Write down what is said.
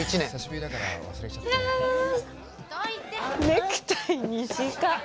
ネクタイ短っ。